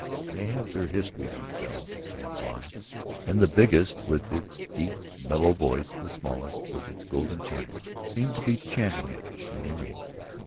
They have their history, these bells of San Juan, and the biggest with its deep, mellow voice, the smallest with its golden chimes, seem to be chanting it when they ring.